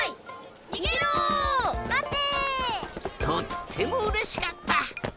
とってもうれしかった！